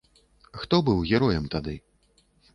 Хто быў героем тады?